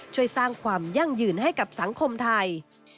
ช่วยสร้างความยั่งยืนให้กับสังคมไทย